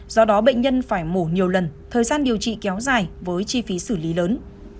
do đó bệnh nhân phải mổ nhiều lần thời gian điều trị kéo dài với chi phí xử lý lớn